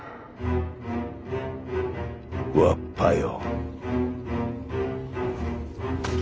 わっぱよ。